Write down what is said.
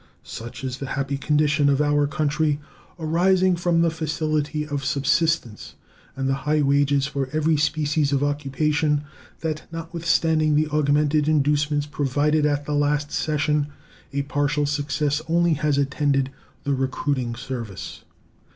Such is the happy condition of our country, arising from the facility of subsistence and the high wages for every species of occupation, that notwithstanding the augmented inducements provided at the last session, a partial success only has attended the recruiting service.